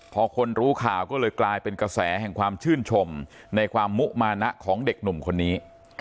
พอคนรู้ข่าวก็เลยกลายเป็นกระแสแห่งความชื่นชมในความมุมานะของเด็กหนุ่มคนนี้